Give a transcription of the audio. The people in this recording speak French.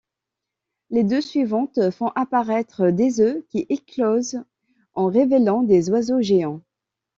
Les deux suivantes font apparaître des œufs qui éclosent en révélant des oiseaux géants.